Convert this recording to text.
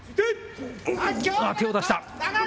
手を出した。